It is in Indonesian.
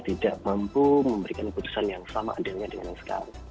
tidak mampu memberikan keputusan yang sama adilnya dengan yang sekarang